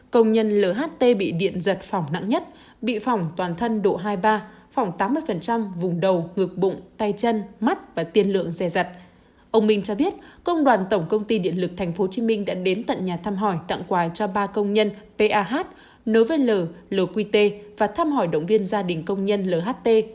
công ty điện lực tp hcm đã đến tận nhà thăm hỏi tặng quà cho ba công nhân pah nvl lqt và thăm hỏi động viên gia đình công nhân lht